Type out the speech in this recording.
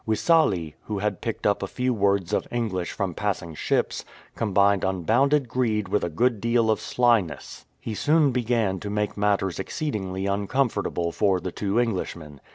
Wissale, who Iiad picked up a few words of English from passing ships, combined unbounded greed with a good deal of slyness. He soon began to make matters exceedingly uncomfortable for the two Englishmen.